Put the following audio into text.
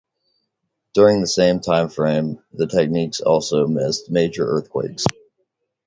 During the same time frame, the technique also missed major earthquakes.